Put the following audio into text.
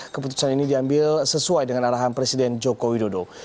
keputusan ini diambil sesuai dengan arahan presiden joko widodo